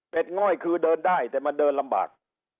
เป็นง่อยคือเดินได้แต่มันเดินลำบาก